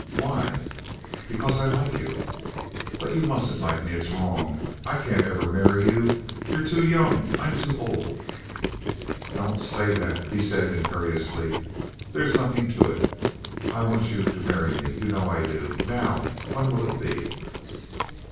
"Why?" "Because I like you." "But you mustn't like me. It's wrong. I can't ever marry you. You're too young. I'm too old." "Don't say that!" he said, imperiously. "There's nothing to it. I want you to marry me. You know I do. Now, when will it be?"